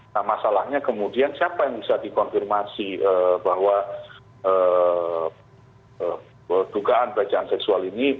nah masalahnya kemudian siapa yang bisa dikonfirmasi bahwa dugaan pelecehan seksual ini